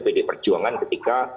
pdi perjuangan ketika